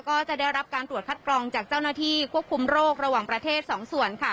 ก็จะได้รับการตรวจคัดกรองจากเจ้าหน้าที่ควบคุมโรคระหว่างประเทศสองส่วนค่ะ